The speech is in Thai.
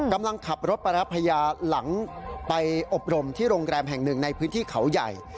กำลังขับรถไปรับพญาหลังไปอบรมที่โรงแรมแห่งหนึ่งในพื้นที่เขาใหญ่